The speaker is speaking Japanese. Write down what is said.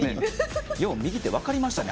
よう右って分かりましたね